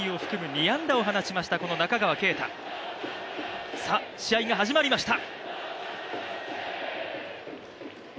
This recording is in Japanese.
２安打を放ちましたこの中川圭太、試合が始まりました